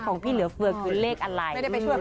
พี่เหลือเฟือคือเลขอะไร